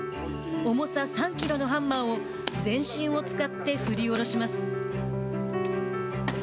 重さ３キロのハンマーを全身を使って振り下ろします。